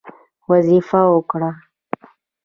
وظیفه ورکړه.